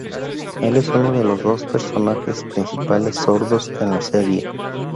Él es uno de los dos personajes principales sordos en la serie.